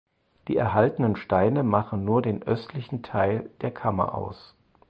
Die erhaltenen Steine machen nur den östlichen Teil der Kammer aus.